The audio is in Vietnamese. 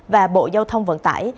và bộ giao thông vận tải